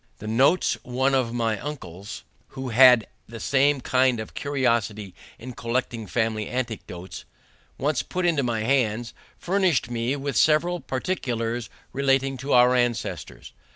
The notes one of my uncles (who had the same kind of curiosity in collecting family anecdotes) once put into my hands, furnished me with several particulars relating to our ancestors.